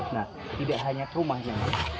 nah tidak hanya rumahnya